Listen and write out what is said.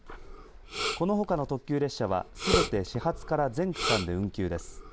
このほかの特急列車はすべて始発から全区間で運休です。